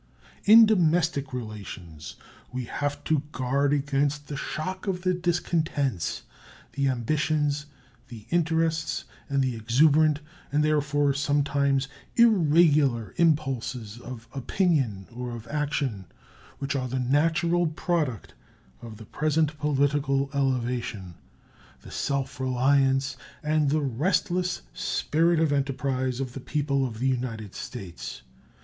In domestic relations we have to guard against the shock of the discontents, the ambitions, the interests, and the exuberant, and therefore sometimes irregular, impulses of opinion or of action which are the natural product of the present political elevation, the self reliance, and the restless spirit of enterprise of the people of the United States.